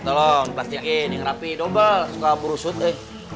tolong plastikin yang rapi dobel suka buru sut eh